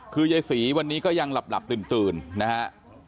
คือยายศรีวันนี้ก็ยังหลับตื่นนะฮะ